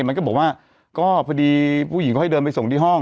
มันก็บอกว่าก็พอดีผู้หญิงค่อยเดินไปส่งที่ห้อง